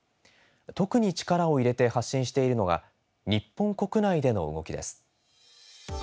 特に力を入れて発信しているのが日本国内での動きです。